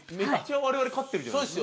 我々勝ってるじゃないですか。